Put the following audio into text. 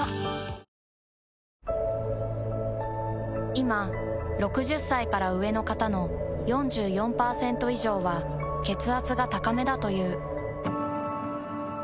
いま６０歳から上の方の４４％以上は血圧が高めだという。